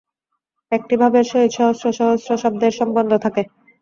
একটি ভাবের সহিত সহস্র সহস্র শব্দের সম্বন্ধ থাকে।